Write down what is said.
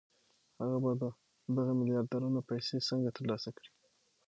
هغه به دغه میلیاردونه پیسې څنګه ترلاسه کړي